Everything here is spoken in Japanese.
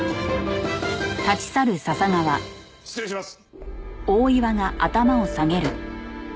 失礼します！